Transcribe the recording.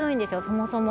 そもそも。